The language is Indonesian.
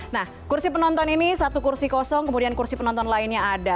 nah kursi penonton ini satu kursi kosong kemudian kursi penonton lainnya ada